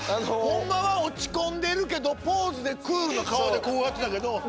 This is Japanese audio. ホンマは落ち込んでるけどポーズでクールの顔でこうやってたけど。